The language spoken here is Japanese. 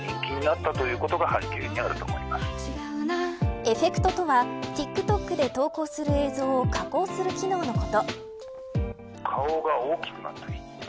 エフェクトとはＴｉｋＴｏｋで投稿する映像を加工する機能のこと。